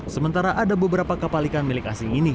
sementara ada beberapa kapal ikan milik asing ini